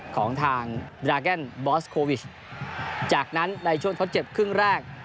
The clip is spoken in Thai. ของทางดราแกนบอสโควิชจากนั้นในช่วงทดเจ็บครึ่งแรก